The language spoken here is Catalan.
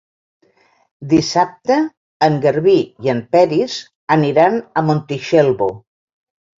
Dissabte en Garbí i en Peris aniran a Montitxelvo.